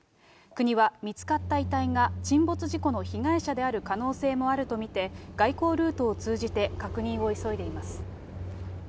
国は、見つかった遺体が沈没事故の被害者である可能性もあると見て、外交ルートを通じて確認を急いでいます。